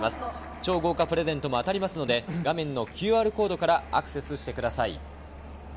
超豪華プレゼントも当たりますので、画面のＱＲコードからアクセスしてください。